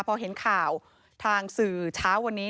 พอเห็นข่าวทางสื่อเช้าวันนี้